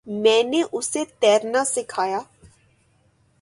میں نے اسے تیرنا سکھایا۔